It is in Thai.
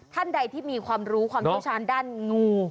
ท่านใดที่มีความรู้ความเชี่ยวชาญด้านงู